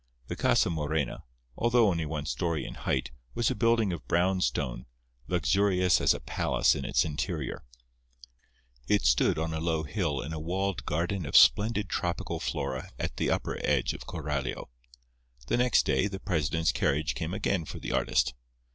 The Casa Morena, although only one story in height, was a building of brown stone, luxurious as a palace in its interior. It stood on a low hill in a walled garden of splendid tropical flora at the upper edge of Coralio. The next day the president's carriage came again for the artist.